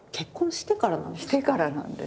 してからなんです。